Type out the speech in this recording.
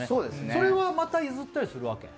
それはまた譲ったりするわけ？